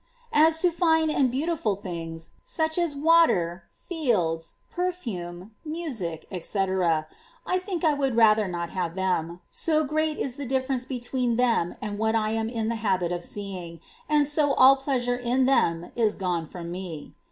12. As to fine and beautiful things, such as water, fields, perfume, music, &c., I think I would ^g^tT*^^^ rather not have them, so great is the difference between them and what I am in the habit of seeing, and so all pleasure in them is gone from me.